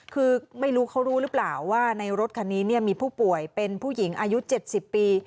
คือไม่รู้เขารู้หรือเปล่าว่าในรถคันนี้มีผู้ป่วยเป็นผู้หญิงอายุ๗๐ปี